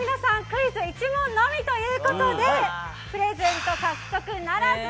クイズ１問のみということでプレゼント獲得ならず！